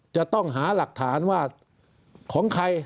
จะต้องหาหลักฐานว่าของใคร